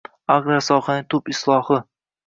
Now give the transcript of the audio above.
Agrar sohaning tub islohi